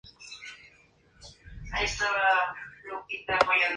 La eficiencia económica es una característica de los modelos, no de la realidad.